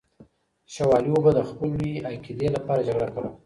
شوالیو به د خپلې عقیدې لپاره جګړه کوله.